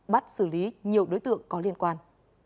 bắt xử lý nhiều đối tượng có liên quan